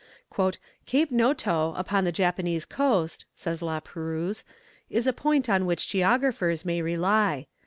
"Cape Noto, upon the Japanese coast," says La Perouse, "is a point on which geographers may rely.